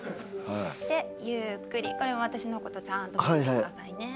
ゆっくりこれも私の事ちゃんと見ててくださいね。